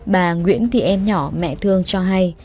bà nguyễn thì em nhỏ mẹ thương cho hay